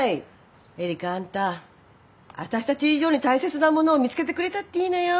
えりかあんた私たち以上に大切なものを見つけてくれたっていいのよ。